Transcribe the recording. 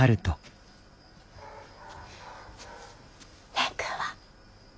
蓮くんは？